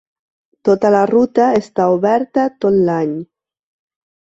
Tota la ruta està oberta tot l'any.